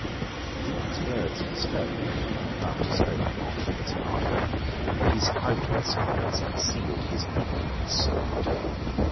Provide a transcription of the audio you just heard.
These words he spoke, but spoke not from his heart; His outward smiles conceal'd his inward smart.